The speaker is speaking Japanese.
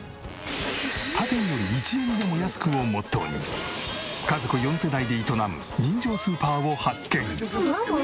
「他店より１円でも安く」をモットーに家族４世代で営む人情スーパーを発見！